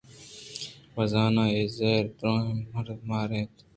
بہ زاں اے یک زہر داریں مارے اَت